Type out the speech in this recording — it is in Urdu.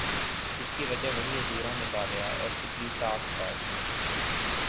اس کی وجہ وہی ادھورا مطالعہ اور فکری تعصبات ہیں۔